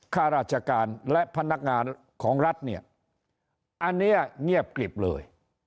ข้าราชการและพนักงานของรัฐเนี่ยอันนี้เงียบกริบเลย